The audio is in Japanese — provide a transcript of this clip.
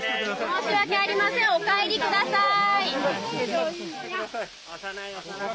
申し訳ありません、お帰りください。